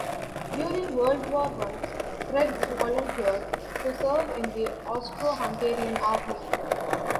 During World War One Krebs volunteered to serve in the Austro-Hungarian Army.